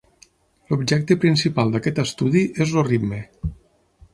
L'objecte principal d'aquest estudi és el ritme.